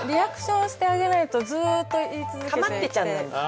かまってちゃんなんだ